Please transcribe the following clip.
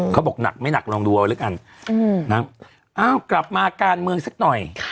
เขาบอกหนักไม่หนักลองดูเอาแล้วกันอ้าวกลับมาการเมืองสักหน่อย